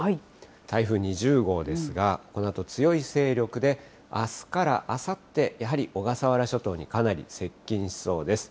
台風２０号ですが、このあと強い勢力で、あすからあさって、やはり小笠原諸島にかなり接近しそうです。